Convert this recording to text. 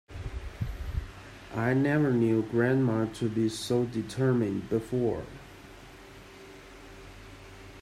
I never knew grandma to be so determined before.